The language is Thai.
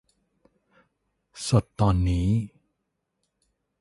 สดตอนนี้